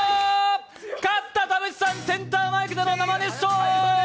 勝った田渕さん、センターマイクで生熱唱！